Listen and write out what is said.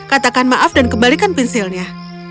katakan maaf dan kembalikan pensilnya